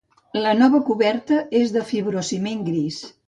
La nova coberta és de fibrociment gris.